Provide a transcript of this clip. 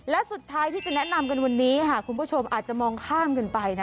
และสุดท้ายที่จะแนะนำกันวันนี้ค่ะคุณผู้ชมอาจจะมองข้ามกันไปนะ